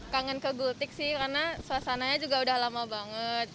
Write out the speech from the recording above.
kangen ke gultik sih karena suasananya juga udah lama banget